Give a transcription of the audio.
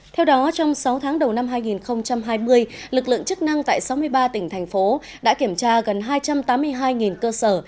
theo đó trong sáu tháng đầu năm hai nghìn hai mươi lực lượng chức năng tại sáu mươi ba tỉnh thành phố đã kiểm tra gần hai trăm tám mươi hai cơ sở